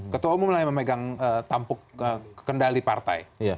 ketua umum lah yang memegang tampuk kendali partai